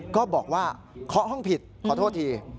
ก็บอกว่าเคาะห้องผิดขอโทษที